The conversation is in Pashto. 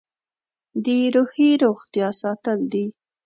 د روحي روغتیا ساتل دي.